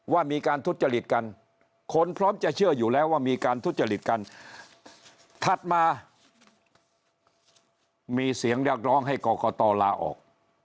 ว่ามีการทุจริตกันคนพร้อมจะเชื่ออยู่แล้วว่ามีการทุจริตกันถัดมามีเสียงเรียกร้องให้กรกตลาออก